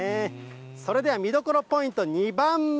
それでは見どころポイント、２番目。